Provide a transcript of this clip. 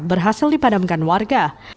berhasil dipadamkan warga